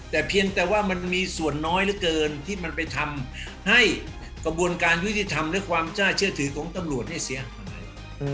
แต่เพียงแต่ว่ามันมีส่วนน้อยเหลือเกินที่มันไปทำให้กระบวนการยุติธรรมและความน่าเชื่อถือของตำรวจเนี่ยเสียหาย